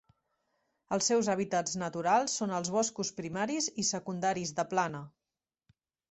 Els seus hàbitats naturals són els boscos primaris i secundaris de plana.